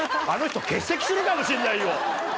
あの人、欠席するかもしれないよ。